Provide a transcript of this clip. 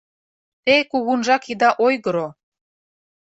Те кугунжак ида ойгыро.